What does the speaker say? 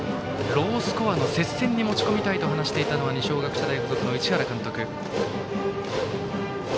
ロースコアの接戦に持ち込みたいと話していたのは二松学舎大付属の市原監督。